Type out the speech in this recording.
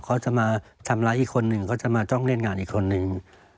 เขาจะมาทำร้ายอีกคนนึงเขาจะมาจ้องเล่นงานอีกคนนึง